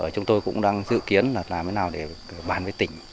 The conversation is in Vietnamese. chúng tôi cũng đang dự kiến làm thế nào để bán với tỉnh